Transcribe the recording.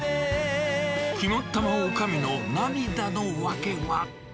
肝っ玉おかみの涙の訳は。